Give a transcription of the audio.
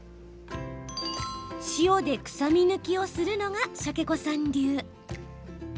塩で臭み抜きをするのがしゃけこさん流。